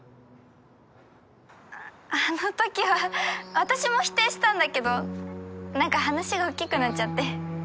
あの時は私も否定したんだけどなんか話が大きくなっちゃって。